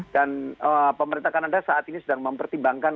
dan pemerintah kanada saat ini sedang mempertimbangkan